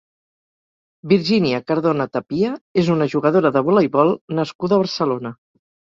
Virginia Cardona Tapia és una jugadora de voleibol nascuda a Barcelona.